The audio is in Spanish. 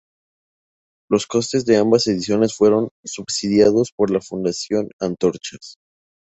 Los costes de ambas ediciones fueron subsidiados por la Fundación Antorchas.